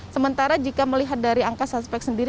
sementara jika melihat dari angka suspek sendiri